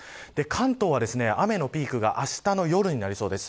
関東は雨のピークがあしたの夜になりそうです。